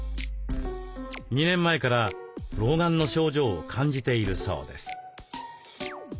２年前から老眼の症状を感じているそうです。